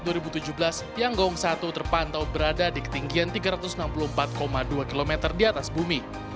pada periode dua ribu tujuh belas tiangong satu terpantau berada di ketinggian tiga ratus enam puluh empat dua km di atas bumi